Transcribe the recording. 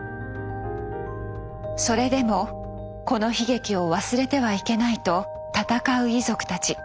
それでもこの悲劇を忘れてはいけないと闘う遺族たち。